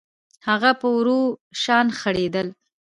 هغه په ورو شان خرېدل